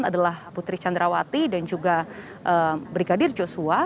tujuh belas sembilan adalah putri candrawati dan juga brigadir joshua